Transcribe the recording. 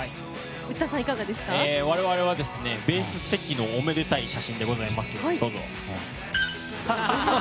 私はベース関のおめでたい写真でございます。